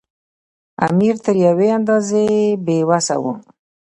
امیر تر یوې اندازې بې وسه وو.